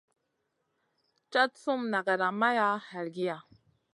Cad sum nagada maya halgiy.